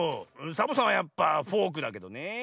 サボさんはやっぱフォークだけどねえ。